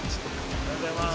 おはようございます。